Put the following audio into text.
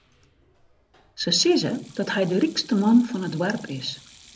Se sizze dat hy de rykste man fan it doarp is.